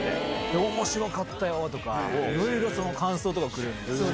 おもしろかったよとか、いろいろ感想とかをくれるんですよ。